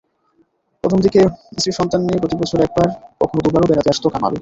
প্রথম দিকে স্ত্রী-সন্তান নিয়ে প্রতিবছর একবার, কখনো দুবারও বেড়াতে আসত কামাল।